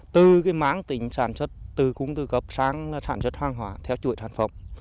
từ cái máng tỉnh sản xuất từ cung tư cấp sang sản xuất hoang hóa theo chuỗi sản phẩm